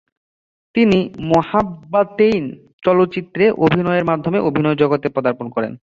তিনি "মোহাব্বাতেইন" চলচ্চিত্রে অভিনয়ের মাধ্যমে অভিনয় জগতে পদার্পণ করেন।